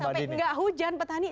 sampai enggak hujan petani